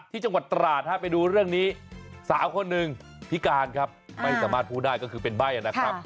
ที่จังหวัดตราดฮะไปดูเรื่องนี้สาวคนหนึ่งพิการครับไม่สามารถพูดได้ก็คือเป็นใบ้นะครับ